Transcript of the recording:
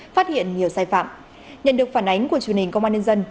phát hiện nhiều sai phạm nhận được phản ánh của truyền hình công an nhân dân